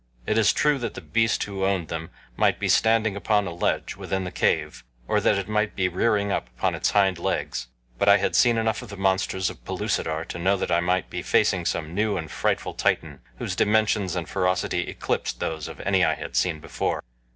It is true that the beast who owned them might be standing upon a ledge within the cave, or that it might be rearing up upon its hind legs; but I had seen enough of the monsters of Pellucidar to know that I might be facing some new and frightful Titan whose dimensions and ferocity eclipsed those of any I had seen before.